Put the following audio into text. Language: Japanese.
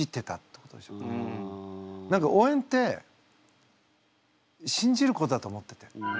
何か応援って信じることだと思ってて。